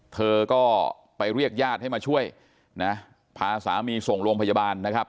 เธอก็ไปเรียกญาติให้มาช่วยนะพาสามีส่งโรงพยาบาลนะครับ